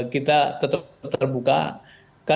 kita tetap terbuka